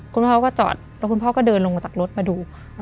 คุณพ่อก็จอดแล้วคุณพ่อก็เดินลงมาจากรถมาดู